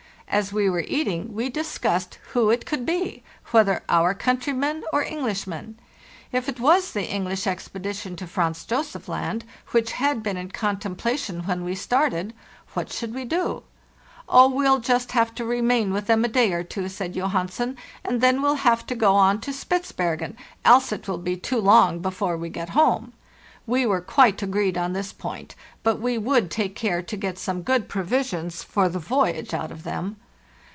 As we were eating we discussed who it could be, wheth er our countrymen or Englishmen. If it was the Eng lish expedition to Franz Josef Land which had been in contemplation when we started, what should we do? 'Oh, we'll just have to remain with them a day or two,' said Johansen, 'and then we'll have to go on to Spitz bergen, else it will be too long before we get home.' We were quite agreed on this point; but we would take care to get some good provisions for the voyage out of them.